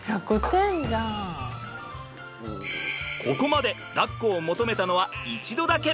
ここまでだっこを求めたのは１度だけ。